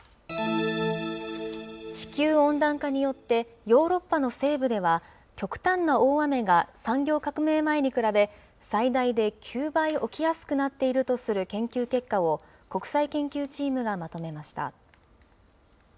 地球温暖化によって、ヨーロッパの西部では極端な大雨が産業革命前に比べ、最大で９倍起きやすくなっているという研究結果を、国際研究チームがまとめました。